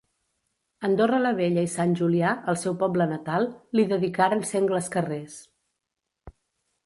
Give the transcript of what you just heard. Andorra la Vella i Sant Julià, el seu poble natal, li dedicaren sengles carrers.